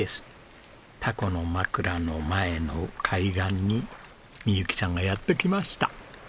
タコのまくらの前の海岸に未佑紀さんがやって来ました。